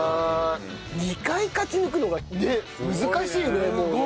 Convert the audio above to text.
２回勝ち抜くのが難しいねもうね。